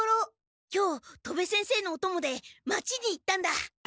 今日戸部先生のおともで町に行ったんだ。